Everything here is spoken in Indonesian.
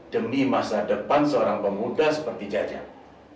demi masa depan seorang pemuda seperti jajang